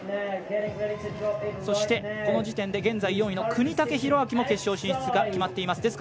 そして、この時点で現在４位の國武大晃も決勝進出が決まっています。